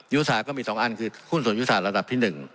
ยุทธศาสตร์ก็มี๒อันคือหุ้นส่วนยุทธศาสตร์ระดับที่๑